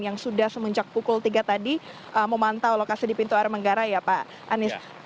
yang sudah semenjak pukul tiga tadi memantau lokasi di pintu air manggarai ya pak anies